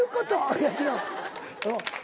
いや違う。